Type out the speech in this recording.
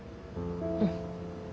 うん。